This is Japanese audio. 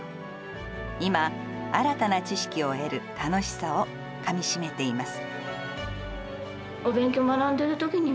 今、新たな知識を得る楽しさをかみしめています。